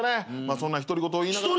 そんな独り言を言いながら。